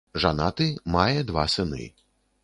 Жанаты, мае два сыны.